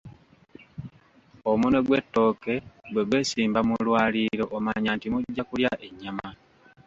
Omunwe gw'ettooke bwe gwesimba mu lwaliiro omanya nti mujja kulya ennyama.